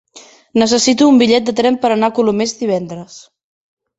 Necessito un bitllet de tren per anar a Colomers divendres.